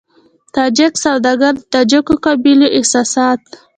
تاجک سوداګر د تاجکو قبيلوي احساسات.